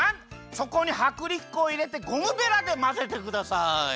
そこにはくりき粉をいれてゴムベラでまぜてください。